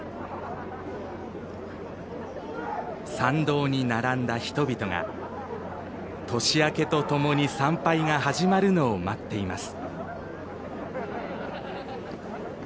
参道に並んだ人々が年明けとともに参拝が始まるのを待っています。